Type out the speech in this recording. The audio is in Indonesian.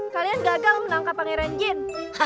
kalian gagal menangkap pangeran jean